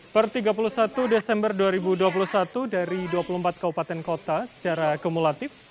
per tiga puluh satu desember dua ribu dua puluh satu dari dua puluh empat kaupaten kota secara akumulatif